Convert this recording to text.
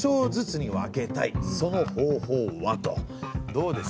どうです？